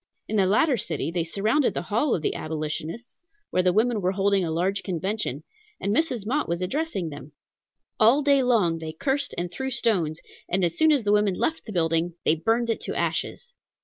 In the latter city they surrounded the hall of the Abolitionists, where the women were holding a large convention, and Mrs. Mott was addressing them. All day long they cursed and threw stones, and as soon as the women left the building, they burned it to ashes.